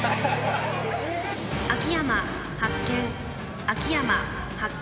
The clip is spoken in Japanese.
秋山発見。